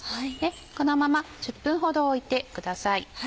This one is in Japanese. このまま１０分ほど置いてください。